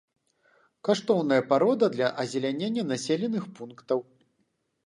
Каштоўная парода для азелянення населеных пунктаў.